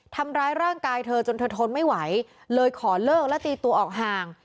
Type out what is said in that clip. ทำร้ายร่างกายเธอจนเธอทนไม่ไหวเลยขอเลิกและตีตัวออกห่าง